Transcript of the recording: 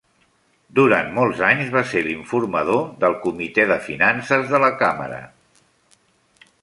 Durant molts anys va ser l'informador del comitè de finances de la càmera.